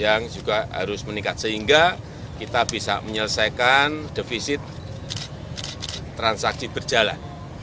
yang juga harus meningkat sehingga kita bisa menyelesaikan defisit transaksi berjalan